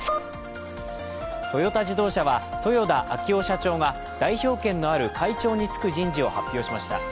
トヨタ自動車は豊田章男社長が代表権のある会長に就く人事を発表しました。